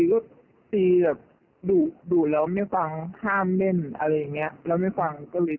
ก็ตีแบบดุดุแล้วไม่ฟังห้ามเล่นอะไรอย่างเงี้ยแล้วไม่ฟังก็เลย